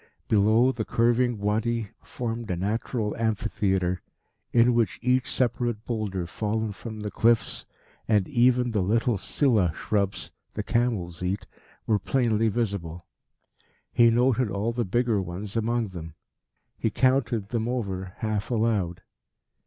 Below, the curving Wadi formed a natural amphitheatre in which each separate boulder fallen from the cliffs, and even the little silla shrubs the camels eat, were plainly visible. He noted all the bigger ones among them. He counted them over half aloud.